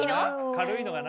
軽いのがな。